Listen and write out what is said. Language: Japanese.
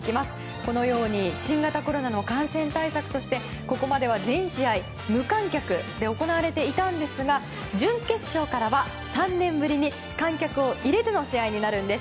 このように新型コロナの感染対策としてここまでは全試合、無観客で行われていたんですが準決勝からは３年ぶりに観客を入れての試合になるんです。